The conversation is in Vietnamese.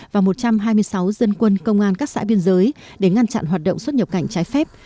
và một trăm hai mươi sáu dân quân công an các xã biên giới để ngăn chặn hoạt động xuất nhập cảnh trái phép